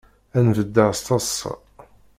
Ad n-beddeɣ s teḍsa.